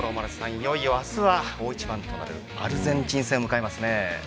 いよいよ明日は大一番となるアルゼンチン戦を迎えますね。